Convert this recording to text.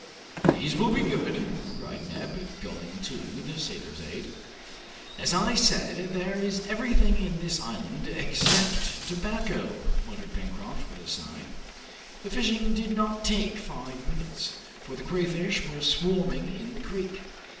"These will be good!" cried Neb, going to the sailor's aid. "As I said, there is everything in this island, except tobacco!" muttered Pencroft with a sigh. The fishing did not take five minutes, for the crayfish were swarming in the creek.